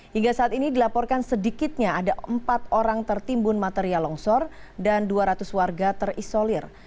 hingga saat ini dilaporkan sedikitnya ada empat orang tertimbun material longsor dan dua ratus warga terisolir